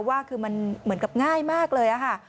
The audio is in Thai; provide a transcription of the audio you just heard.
ว่าคือมันเหมือนกับง่ายมากเลยค่ะ